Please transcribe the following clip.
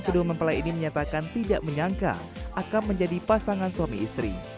kedua mempelai ini menyatakan tidak menyangka akan menjadi pasangan suami istri